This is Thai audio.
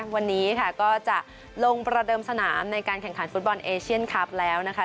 วันนี้ค่ะก็จะลงประเดิมสนามในการแข่งขันฟุตบอลเอเชียนคลับแล้วนะคะ